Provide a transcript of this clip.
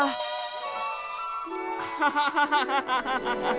ハハハハハ。